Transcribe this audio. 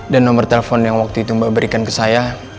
dan nomor telepon yang waktu itu mbak berikan ke saya